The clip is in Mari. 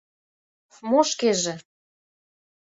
— Мо шкеже?